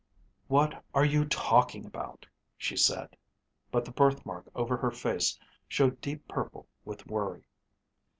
"What are you talking about?" she said, but the birthmark over her face showed deep purple with worry.